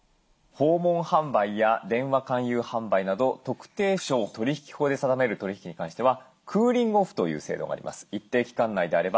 訪問販売や電話勧誘販売など特定商取引法で定める取り引きに関してはクーリング・オフという制度があります。